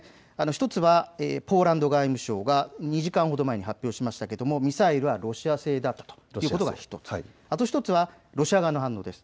１つはポーランド外務省が２時間ほど前に発表しましたがミサイルはロシア製だったということが１つ、あと１つはロシア側の反応です。